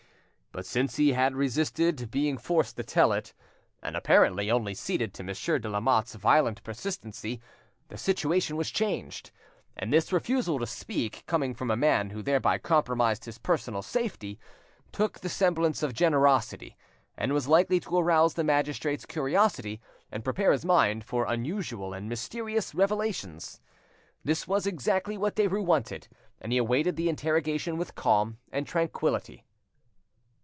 But since he had resisted being forced to tell it, and apparently only ceded to Monsieur de Lamotte's violent persistency, the situation was changed; and this refusal to speak, coming from a man who thereby compromised his personal safety, took the semblance of generosity, and was likely to arouse the magistrate's curiosity and prepare his mind for unusual and mysterious revelations. This was exactly what Derues wanted, and he awaited the interrogation with calm and tranquillity.